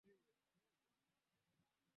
wanasheria wa somali mudu uzi mabila